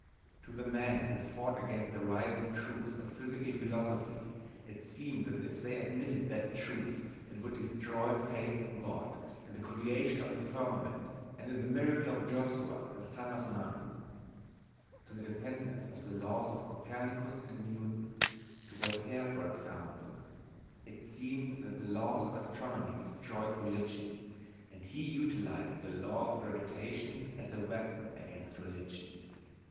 To the men who fought against the rising truths of physical philosophy, it seemed that if they admitted that truth it would destroy faith in God, in the creation of the firmament, and in the miracle of Joshua the son of Nun. To the defenders of the laws of Copernicus and Newton, to Voltaire for example, it seemed that the laws of astronomy destroyed religion, and he utilized the law of gravitation as a weapon against religion.